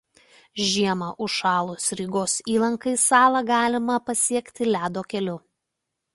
Žiemą užšalus Rygos įlankai salą galima pasiekti ledo keliu.